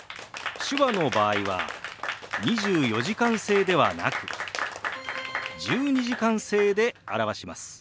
手話の場合は２４時間制ではなく１２時間制で表します。